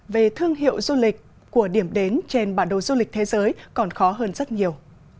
về thương hiệu du lịch của điểm đến trên bản đồ du lịch thế giới còn khó hơn rất nhiều